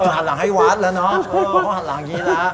หันหลังให้วัดแล้วเนอะเพราะว่าหันหลังอย่างนี้แล้ว